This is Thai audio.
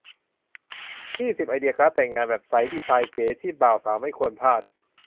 ยี่สิบ ไอเดียการ์ดแต่งงานแบบใสดีไซน์เก๋ ที่บ่าวสาวไม่ควรพลาด